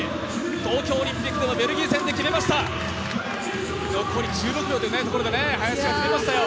東京オリンピックのベルギー戦でも決めました、残り１６秒で林が決めましたよ。